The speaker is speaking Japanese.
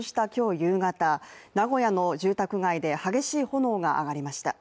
夕方、名古屋の住宅街で激しい炎が上がりました。